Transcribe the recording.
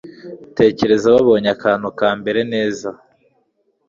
tekereza, babonye akantu ka mbere neza